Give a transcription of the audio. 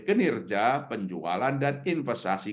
kinerja penjualan dan investasi